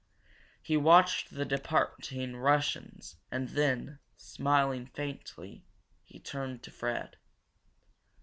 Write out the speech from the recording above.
He watched the departing Russians and then, smiling faintly, he turned to Fred.